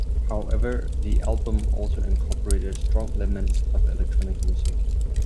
However, the album also incorporated strong elements of electronic music.